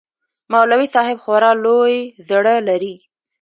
مولوى صاحب خورا لوى زړه لري.